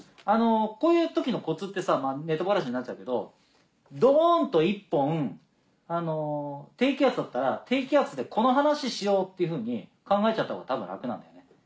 こういう時のコツってさぁネタばらしになっちゃうけどドンっと１本低気圧だったら低気圧でこの話しようっていうふうに考えちゃったほうが多分楽なんだよね。